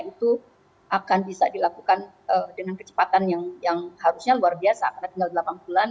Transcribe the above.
itu akan bisa dilakukan dengan kecepatan yang harusnya luar biasa karena tinggal delapan bulan